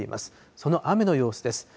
その雨の様子です。